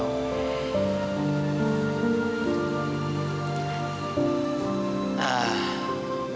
kamu sendiri juga gak tau